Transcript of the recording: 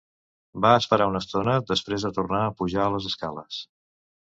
Va esperar una estona, després va tornar a pujar a les escales.